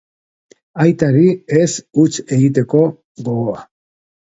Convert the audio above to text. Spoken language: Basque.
Aitari ez huts egiteko gogoa.